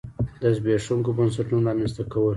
د زبېښونکو بنسټونو رامنځته کول.